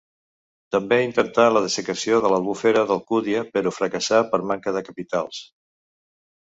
També intentà la dessecació de s'Albufera d'Alcúdia, però fracassà per manca de capitals.